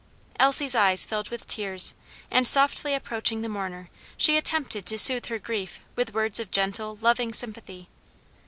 Elsie's eyes filled with tears, and softly approaching the mourner, she attempted to soothe her grief with words of gentle, loving sympathy.